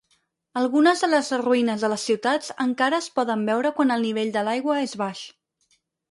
Algunes de les ruïnes de les ciutats encara es poden veure quan el nivell de l'aigua és baix.